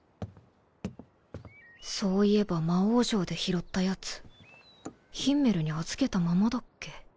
そういえば魔王城で拾ったやつヒンメルに預けたままだっけ